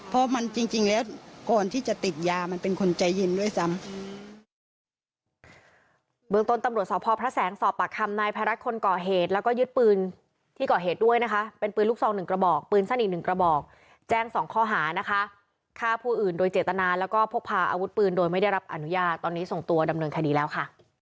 เพราะมันจริงแล้วก่อนที่จะติดยามันเป็นคนใจเย็นด้วยซ้ำ